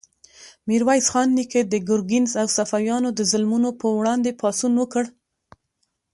میرویس خان نیکه د ګرګین او صفویانو د ظلمونو په وړاندې پاڅون وکړ.